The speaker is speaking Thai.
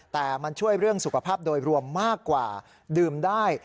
แต่มันช่วยเรื่องสุขภาพโดยรวมมากกว่าดื่มได้